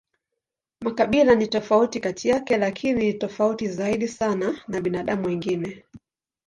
Makabila ni tofauti kati yake, lakini ni tofauti zaidi sana na binadamu wengine.